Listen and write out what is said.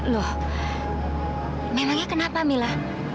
loh memangnya kenapa mila